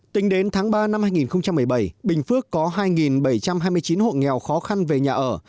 tính đến tháng ba năm hai nghìn một mươi bảy bình phước có hai bảy trăm hai mươi chín hộ nghèo khó khăn về nhà ở